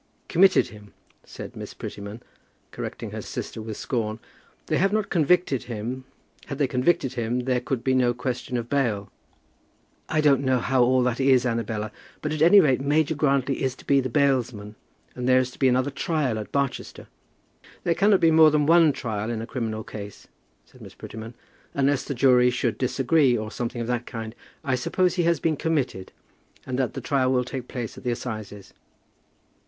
"Committed him," said Miss Prettyman, correcting her sister with scorn. "They have not convicted him. Had they convicted him, there could be no question of bail." "I don't know how all that is, Annabella, but at any rate Major Grantly is to be the bailsman, and there is to be another trial at Barchester." "There cannot be more than one trial in a criminal case," said Miss Prettyman, "unless the jury should disagree, or something of that kind. I suppose he has been committed, and that the trial will take place at the assizes."